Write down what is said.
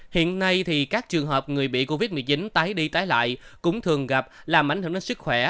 hiện nay thì các trường hợp người bị covid một mươi chín tái đi tái lại cũng thường gặp làm ảnh hưởng đến sức khỏe